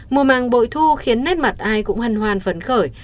mùa màng bội thu khiến nét mặt ai cũng hân hoan phấn khởi